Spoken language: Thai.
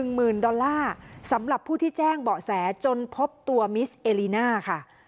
หมื่นดอลลาร์สำหรับผู้ที่แจ้งเบาะแสจนพบตัวมิสเอลิน่าค่ะ